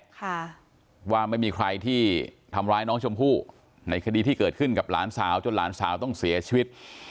ค่ะว่าไม่มีใครที่ทำร้ายน้องชมพู่ในคดีที่เกิดขึ้นกับหลานสาวจนหลานสาวต้องเสียชีวิต